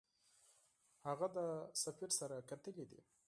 هغه د سفیر سره کتلي دي.